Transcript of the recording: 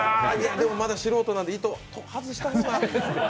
でもまだ素人なんで、糸を外した方が。